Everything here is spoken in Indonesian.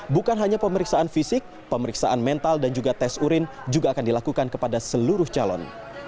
bukan hanya pemeriksaan fisik pemeriksaan mental dan juga tes urin juga akan dilakukan kepada seluruh calon